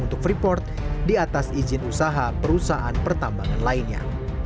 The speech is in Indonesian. untuk freeport di atas izin usaha perusahaan pertambangan lainnya